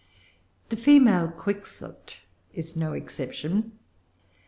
The Female Quixote is no exception.